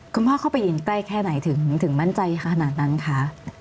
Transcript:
เข้าไปยืนใกล้แค่ไหนถึงมั่นใจขนาดนั้นคะ